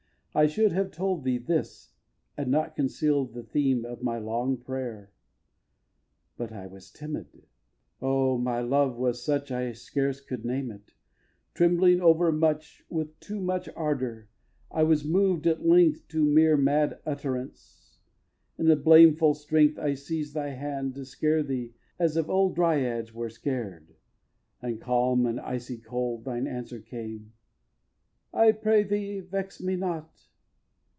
I should have told thee this And not conceal'd the theme of my long prayer. xx. But I was timid. Oh, my love was such I scarce could name it! Trembling over much With too much ardour, I was moved at length To mere mad utterance. In a blameful strength I seiz'd thy hand, to scare thee, as of old Dryads were scared; and calm and icy cold Thine answer came: "I pray thee, vex me not!"